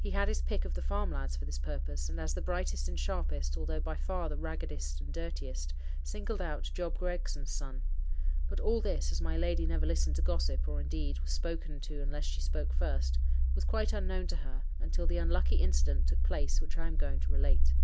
He had his pick of the farm lads for this purpose; and, as the brightest and sharpest, although by far the raggedest and dirtiest, singled out Job Gregson's son. But all this—as my lady never listened to gossip, or indeed, was spoken to unless she spoke first—was quite unknown to her, until the unlucky incident took place which I am going to relate.